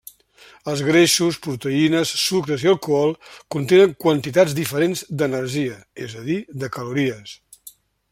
Els greixos, proteïnes, sucres i alcohol contenen quantitats diferents d'energia, és a dir, de calories.